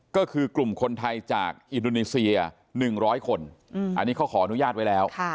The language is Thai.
ก็คือกลุ่มคนไทยจากอินโดนีเซีย๑๐๐คนอันนี้เขาขออนุญาตไว้แล้ว